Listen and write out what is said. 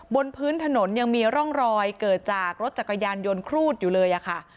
บนพื้นถนนยังมีร่องรอยเกิดจากรถจักรยานยนต์ครูดอยู่เลยค่ะ